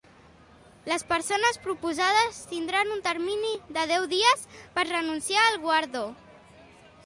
Les persones proposades tindran un termini de deu dies per renunciar al guardó.